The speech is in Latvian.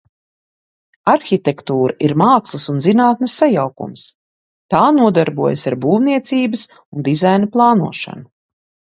Arhitektūra ir mākslas un zinātnes sajaukums. Tā nodarbojas ar būvniecības un dizaina plānošanu.